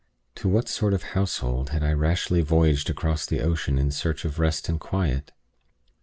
To what sort of household had I rashly voyaged across the ocean in search of rest and quiet?